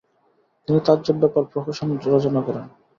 তিনি তাজ্জব ব্যাপার প্রহসন রচনা করেন।